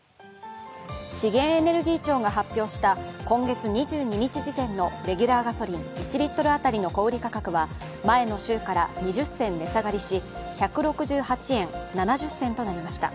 資源エネルギー庁が発表した今月２２日時点のレギュラーガソリン１リットル当たりの小売価格は前の週から２０銭値下がりし１６８円７０銭となりました。